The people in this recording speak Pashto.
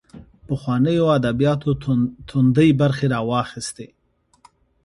پخوانیو ادبیاتو توندۍ برخې راواخیستې